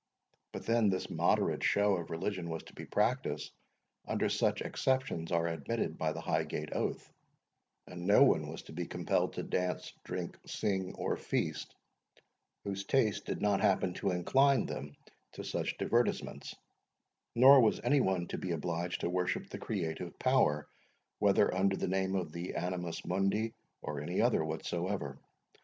But then this moderate show of religion was to be practised under such exceptions as are admitted by the Highgate oath; and no one was to be compelled to dance, drink, sing, or feast, whose taste did not happen to incline them to such divertisements; nor was any one to be obliged to worship the creative power, whether under the name of the Animus Mundi, or any other whatsoever.